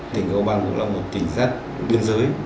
tỉnh cao bằng cũng là một tỉnh giáp biên giới